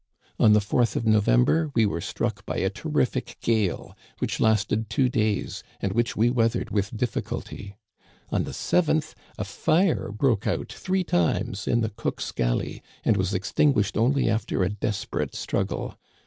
On the 4th of November we were struck by a ter rific gale, which lasted two days, and which we weathered with difficulty. On the 7th a fire broke out three times in the cook's galley, and was extinguished only after a desperate struggle.